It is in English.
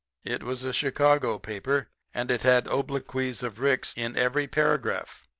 It was a Chicago paper, and it had obloquies of Ricks in every paragraph.